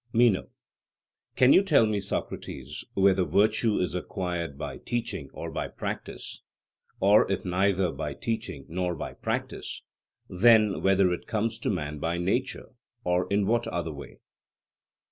MENO: Can you tell me, Socrates, whether virtue is acquired by teaching or by practice; or if neither by teaching nor by practice, then whether it comes to man by nature, or in what other way?